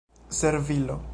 servilo